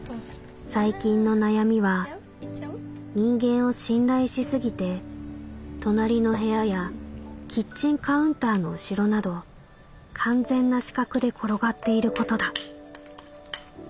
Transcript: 「最近の悩みは人間を信頼しすぎて隣の部屋やキッチンカウンターの後ろなど完全な死角で転がっていることだ」。